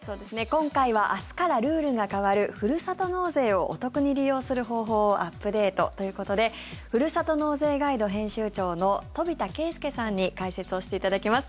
今回は、明日からルールが変わるふるさと納税をお得に利用する方法をアップデートということでふるさと納税ガイド編集長の飛田啓介さんに解説をしていただきます。